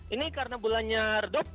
ini karena bulannya redup